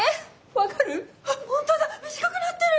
分かる？